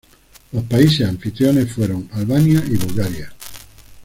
Los países anfitriones fueron Albania y Bulgaria.